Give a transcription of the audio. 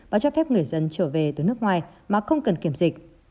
và cho phép người dân trở về từ nước ngoài mà không cần kiểm dịch